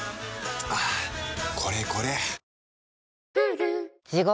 はぁこれこれ！